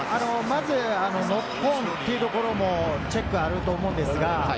まずノックオンというところのチェックがあると思うんですが。